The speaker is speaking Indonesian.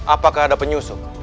apakah ada penyusuk